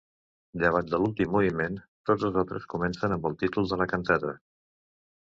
Llevat de l'últim moviment, tots els altres comencen amb el títol de la cantata.